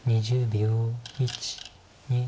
２０秒。